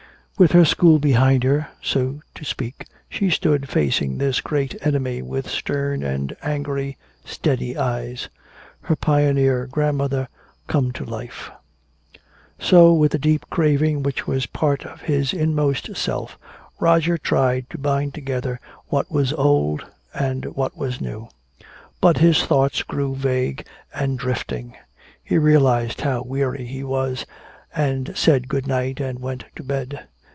With her school behind her, so to speak, she stood facing this great enemy with stern and angry, steady eyes. Her pioneer grandmother come to life. So, with the deep craving which was a part of his inmost self, Roger tried to bind together what was old and what was new. But his thoughts grew vague and drifting. He realized how weary he was, and said good night and went to bed.